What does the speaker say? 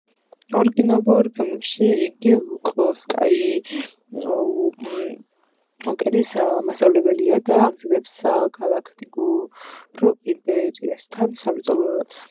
ორიგინალურ ფილმებში იგი ლუკ სკაიუოკერის მასწავლებელია და ამზადებს გალაქტიკურ იმპერიასთან საბრძოლველად.